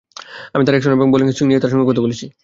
আমি তার অ্যাকশন এবং বলের সুইং নিয়ে তার সঙ্গে কথা বলেছি।